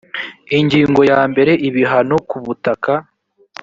ingingo ya mbere ibihano kubutaka